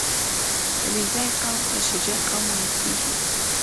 • علیزي قوم ته شجاع قوم ویل کېږي.